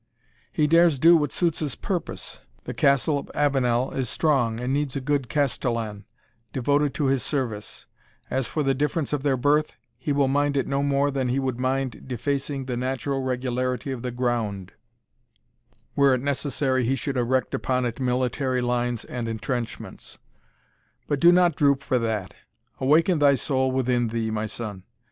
"He dares do what suits his purpose The Castle of Avenel is strong, and needs a good castellan, devoted to his service; as for the difference of their birth, he will mind it no more than he would mind defacing the natural regularity of the ground, were it necessary he should erect upon it military lines and intrenchments. But do not droop for that awaken thy soul within thee, my son.